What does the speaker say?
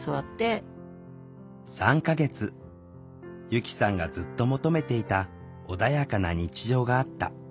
由希さんがずっと求めていた穏やかな日常があった。